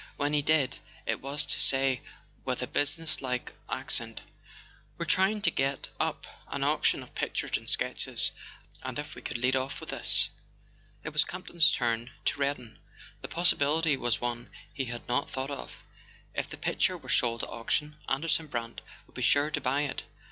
When he did, it was to say with a businesslike ac¬ cent: "We're trying to get up an auction of pictures and sketches—and if we could lead off with this. It was Campton's turn to redden. The possibility was one he had not thought of. If the picture were sold at auction, Anderson Brant would be sure to buy it!